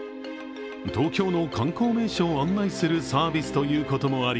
東京の観光名所を案内するサービスということもあり